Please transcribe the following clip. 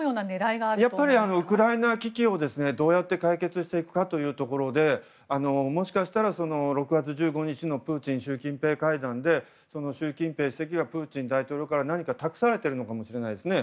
ウクライナ危機をどうやって解決していくかというところでもしかしたら６月１５日のプーチン、習近平会談で習近平主席がプーチン大統領から何か託されているのかもしれないですね。